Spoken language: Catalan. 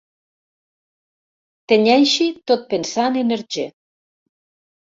Tenyeixi tot pensant en Hergé.